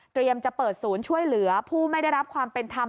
จะเปิดศูนย์ช่วยเหลือผู้ไม่ได้รับความเป็นธรรม